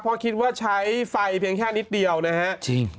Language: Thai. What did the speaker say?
เพราะคิดว่าใช้ไฟเพียงแค่นิดเดียวนะฮะจริง